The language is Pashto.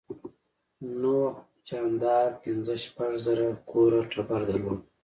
نوح جاندار پنځه شپږ زره کوره ټبر درلود.